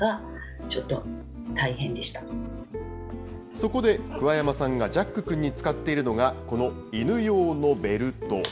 そこで、桑山さんがジャックくんに使っているのが、この犬用のベルト。